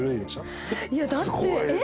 いやだってえっ？